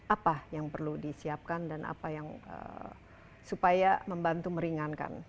apa yang perlu disiapkan dan apa yang supaya membantu meringankan